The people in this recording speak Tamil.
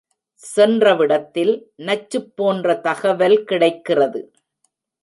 சென்ற விடத்தில், நச்சுப்போன்ற தகவல் கிடைக்கிறது.